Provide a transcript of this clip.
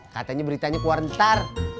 katanya beritanya keluar ntar